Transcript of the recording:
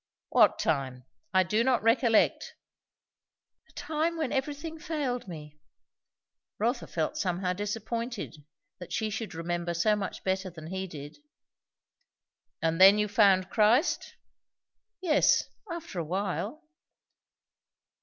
"What time? I do not recollect." "A time when everything failed me." Rotha felt somehow disappointed, that she should remember so much better than he did. "And then you found Christ?" "Yes, after a while."